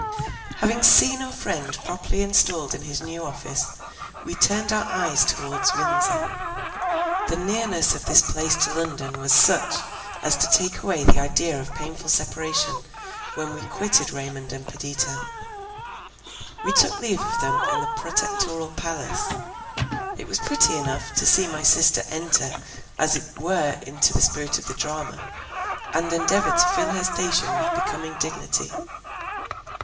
Having seen our friend properly installed in his new office, we turned our eyes towards Windsor. The nearness of this place to London was such, as to take away the idea of painful separation, when we quitted Raymond and Perdita. We took leave of them in the Protectoral Palace. It was pretty enough to see my sister enter as it were into the spirit of the drama, and endeavour to fill her station with becoming dignity.